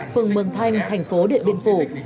phường mường thanh thành phố điện biên phủ